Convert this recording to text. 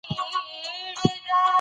د قانون سرغړونه د ټولنیز نظم زیانمنوي